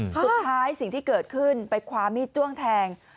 สุดท้ายสิ่งที่เกิดขึ้นไปความมีจ้วงแทง